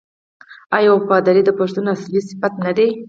آیا وفاداري د پښتون اصلي صفت نه دی؟